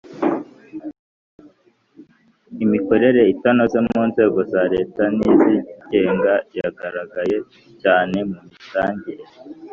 Imikorere itanoze mu nzego za Leta n izigenga yagaragaye cyane mu mitangire